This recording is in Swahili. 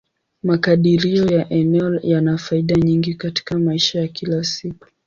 Makadirio ya eneo yana faida nyingi katika maisha ya kila siku.